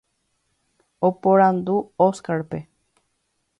Eporandu Óscarpe.